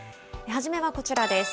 はじめはこちらです。